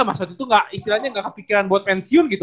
mas itu tuh istilahnya gak kepikiran buat pensiun gitu